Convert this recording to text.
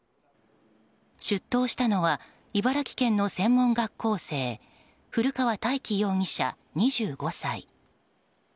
出頭したのは茨城県の専門学校生古川大輝容疑者、２５歳。